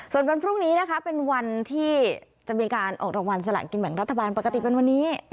ส่วนวันพรุ่งนี้นะคะเป็นวันที่จะมีการออกรางวัลสละกินแบ่งรัฐบาลปกติเป็นวันนี้